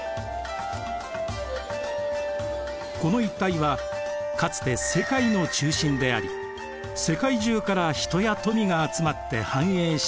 この一帯はかつて世界の中心であり世界中から人や富が集まって繁栄した都でした。